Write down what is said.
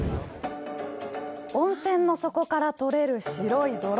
温泉の底から採れる白い泥！